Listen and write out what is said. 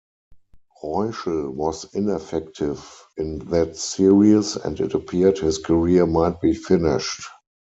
Reuschel was ineffective in that Series, and it appeared his career might be finished.